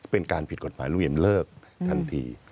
เป็นการผิดกฎหมายลุงเอี่ยมเลิกทันที